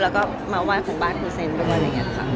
แล้วก็มาว่ายของบ้านคุณเซ็นซ์ด้วยอะไรอย่างเงี้ยค่ะ